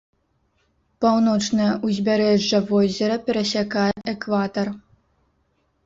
Паўночнае ўзбярэжжа возера перасякае экватар.